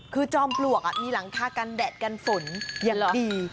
คือจอมปลวกมีหลังคากันแดดกันฝนอย่างดี